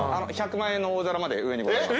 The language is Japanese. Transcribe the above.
１００万円の大皿まで上にございます。